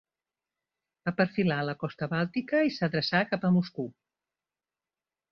Va perfilar la costa bàltica i s'adreçà cap a Moscou.